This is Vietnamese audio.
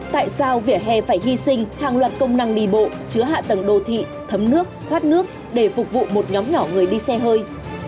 tại sao vỉa hè phải hy sinh hàng loạt công năng đi bộ chứa hạ tầng đô thị thấm nước thoát nước để phục vụ một nhóm nhỏ người đi xe hơi